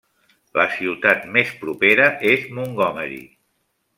La ciutat més propera és Montgomery.